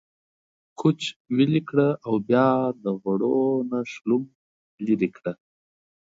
کوچ ويلي کړه او بيا د غوړو نه شلوم ليرې کړه۔